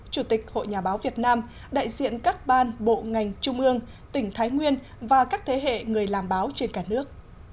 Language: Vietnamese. chủ tịch hội nhà báo việt nam đại diện các ban bộ ngành trung ương tỉnh thái nguyên và các thế hệ người làm báo trên cả nước